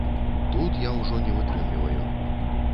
Тут я ўжо не вытрымліваю.